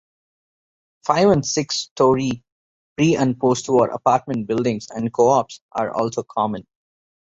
Five- and six-story pre- and post-war apartment buildings and co-ops are also common.